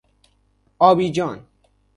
آبی جان